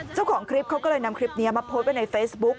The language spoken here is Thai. เจ้าของคลิปเขาก็เลยนำคลิปนี้มาโพสต์ไว้ในเฟซบุ๊ก